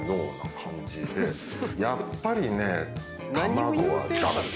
やっぱりね。